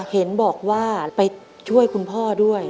เห็นบอกว่าไปช่วยคุณพ่อด้วย